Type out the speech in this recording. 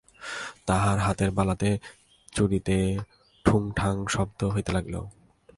তাঁহার হাতের বালাতে চুড়িতে ঠুং ঠাং শব্দ হইতে লাগিল।